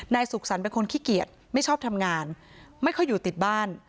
สุขสรรค์เป็นคนขี้เกียจไม่ชอบทำงานไม่ค่อยอยู่ติดบ้าน